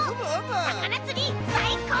さかなつりさいこう！